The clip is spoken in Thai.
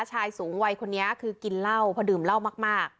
ชายสูงวัยคนนี้คือกินเหล้าเพราะดื่มเหล้ามาก